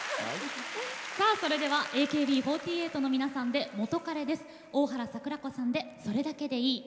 さあそれではＡＫＢ４８の皆さんで「元カレです」。大原櫻子さんで「それだけでいい」